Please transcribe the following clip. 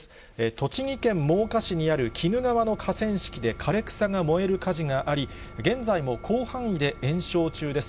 栃木県真岡市にある鬼怒川の河川敷で枯れ草が燃える火事があり、現在も広範囲で延焼中です。